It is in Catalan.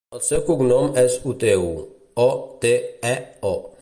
El seu cognom és Oteo: o, te, e, o.